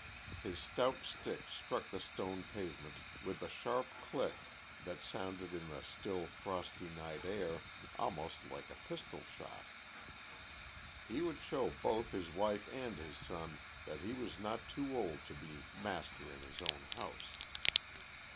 His stout stick struck the stone pavement with a sharp click that sounded in the still, frosty, night air almost like a pistol shot. He would show both his wife and his son that he was not too old to be master in his own house.